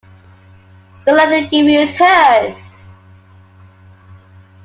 Don't let it give you a turn?